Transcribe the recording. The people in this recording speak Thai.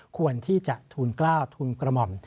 ควรที่จะทูลกล้าวทุนกระหม่อม